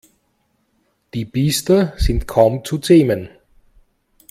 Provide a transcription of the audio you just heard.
Die Biester sind kaum zu zähmen.